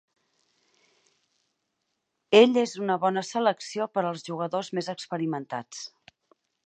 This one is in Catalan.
Ell és una bona selecció per als jugadors més experimentats.